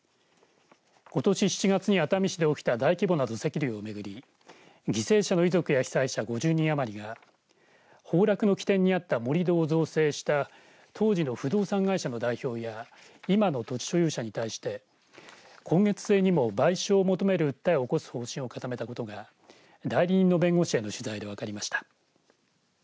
ことし７月に熱海市で起きた大規模な土石流をめぐり犠牲者の遺族や被災者５０人余りが崩落の危険にあった盛り土を造成した当時の不動産会社の代表や今の土地所有者に対して今月末にも賠償を求める訴えを起こす方針を固めたことが代理人の弁護士への取材で分かりました。